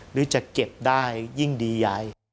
หรือจะเก็บได้ยิ่งดีใหญ่